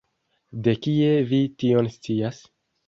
De kie vi tion scias?